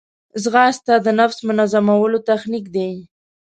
ځغاسته د نفس منظمولو تخنیک دی